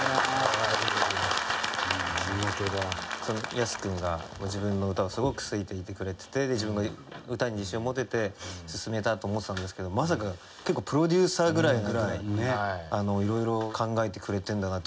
康くんが自分の歌をすごく好いていてくれてて自分が歌に自信を持てて進めたと思ってたんですけどまさか結構プロデューサーぐらい色々考えてくれてるんだなって